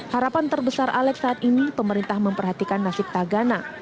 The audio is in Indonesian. harapan terbesar alex saat ini pemerintah memperhatikan nasib tagana